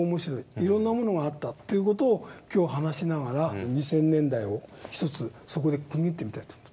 いろんなものがあったという事を今日話しながら２０００年代をひとつそこで区切ってみたいと思って。